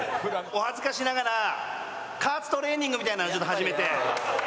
お恥ずかしながら加圧トレーニングみたいなのをちょっと始めて。